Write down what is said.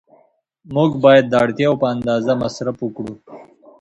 موږ باید د اړتیا په اندازه مصرف وکړو.